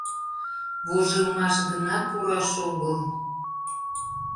Вожылмаш гына пураш огыл.